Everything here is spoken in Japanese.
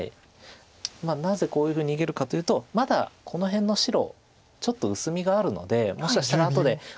なぜこういうふうに逃げるかというとまだこの辺の白ちょっと薄みがあるのでもしかしたら後でこの辺とかくすぐっていくような手とか。